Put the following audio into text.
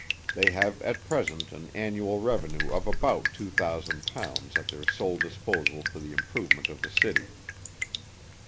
They have at present an annual revenue of about £2,000 at their sole disposal for the improvement of the City.